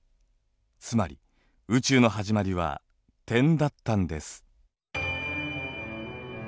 つまり「宇宙のはじまり」は点だったんです。